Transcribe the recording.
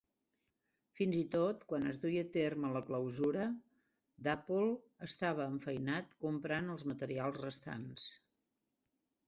Fins i tot quan es duia a terme la clausura, Dapol estava enfeinat comprant els materials restants.